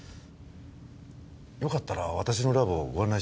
よかったら私のラボをご案内しましょうか？